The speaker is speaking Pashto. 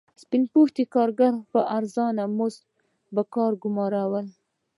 سپین پوستو کارګر په ارزانه مزد پر کار ګومارل.